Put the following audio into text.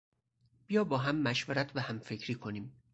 بیا با هم مشورت و همفکری کنیم.